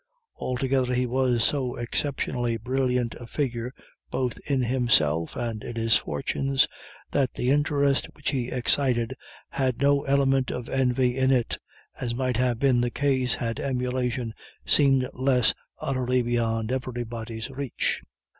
Altogether he was so exceptionally brilliant a figure both in himself and in his fortunes, that the interest which he excited had no element of envy in it, as might have been the case had emulation seemed less utterly beyond everybody's reach.